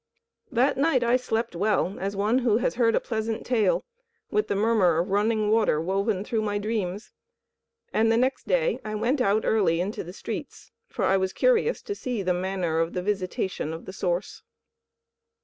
That night I slept well, as one who has heard a pleasant tale, with the murmur of running water woven through my dreams; and the next day I went out early into the streets, for I was curious to see the manner of the visitation of the Source.